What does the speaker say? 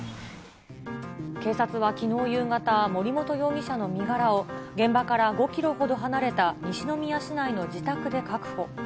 警察はきのう夕方、森本容疑者の身柄を、現場から５キロほど離れた西宮市内の自宅で確保。